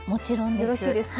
よろしいですか？